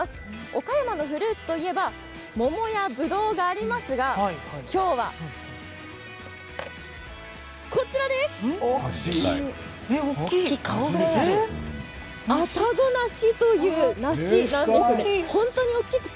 岡山のフルーツといえば桃やぶどうがありますが、今日は大きい。